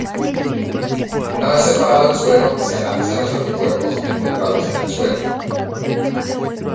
Una vez separado el suero se analizan los anticuerpos encontrados en el suero.